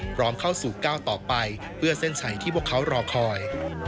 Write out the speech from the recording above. พร้อมเข้าสู่ก้าวต่อไปเพื่อเส้นชัยที่พวกเขารอคอย